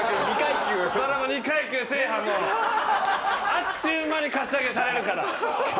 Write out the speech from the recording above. あっちゅう間にカツアゲされるから。